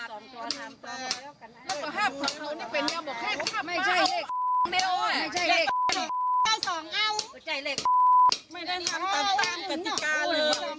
ทำไมมาจ่ายคนที่ดูคนที่ดูมันมาได้ดูทุกงวด